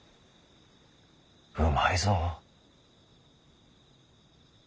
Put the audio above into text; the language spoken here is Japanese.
うまいぞ。